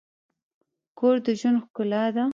کور د ژوند ښکلا ده.